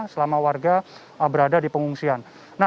selama warga berada di pengungsian